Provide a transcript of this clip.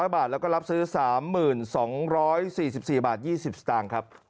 ๐บาทแล้วก็รับซื้อ๓๒๔๔บาท๒๐สตางค์ครับ